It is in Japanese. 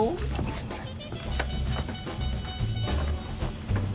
すいません。